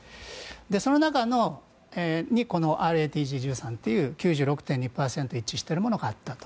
その中にこのＲａＴＧ１３という９６．２％一致しているものがあったと。